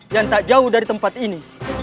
yang tak jauh dari tempat ini